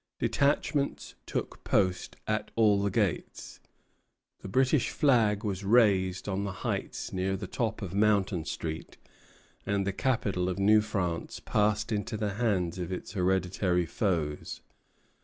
Detachments took post at all the gates. The British flag was raised on the heights near the top of Mountain Street, and the capital of New France passed into the hands of its hereditary foes.